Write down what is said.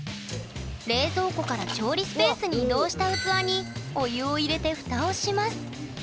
冷蔵庫から調理スペースに移動した器にお湯を入れて蓋をします。